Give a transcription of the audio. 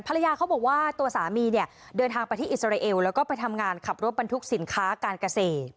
ภรรยาเขาบอกว่าตัวสามีเนี่ยเดินทางไปที่อิสราเอลแล้วก็ไปทำงานขับรถบรรทุกสินค้าการเกษตร